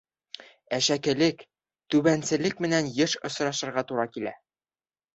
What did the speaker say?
Әшәкелек, түбәнселек менән йыш осрашырға тура килә.